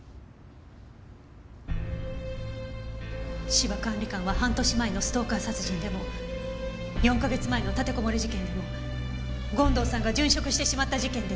芝管理官は半年前のストーカー殺人でも４か月前の立てこもり事件でも権藤さんが殉職してしまった事件でも。